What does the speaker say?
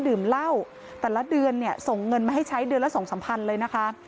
ดื่มเหล้าแต่ละเดือนส่งเงินมาให้ใช้เดือนละ๒สัมพันธุ์เลยนะคะ